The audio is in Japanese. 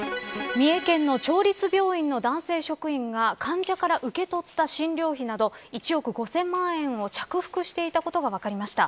三重県の町立病院の男性職員が患者から受け取った診療費など１億５０００万円を着服していたことが分かりました。